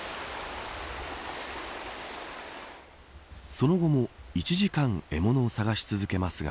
その後も１時間獲物を探し続けますが。